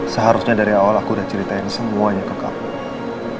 seharusnya dari awal aku udah ceritain semuanya ke kamu